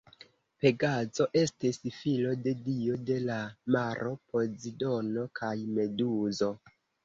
Pegazo estis filo de dio de la maro Pozidono kaj Meduzo.